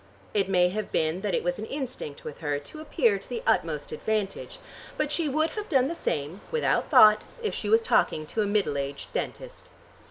It may have been that it was an instinct with her to appear to the utmost advantage, but she would have done the same, without thought, if she was talking to a middle aged dentist.